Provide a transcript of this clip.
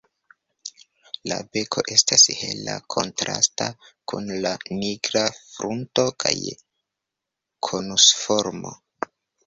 La beko estas hela, kontrasta kun la nigra frunto kaj konusforma.